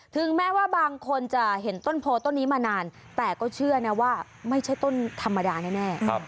ถึงแม้ว่าบางคนจะเห็นต้นโพต้นนี้มานานแต่ก็เชื่อนะว่าไม่ใช่ต้นธรรมดาแน่